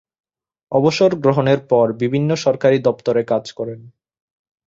অবসর গ্রহণের পর বিভিন্ন সরকারী দপ্তরে কাজ করেন।